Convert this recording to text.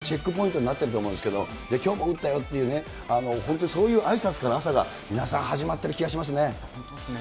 これ、たぶん皆さん、毎朝のチェックポイントになってると思うんですけど、きょうも打ったよっていう、本当にそういうあいさつから朝が皆さん、本当ですね。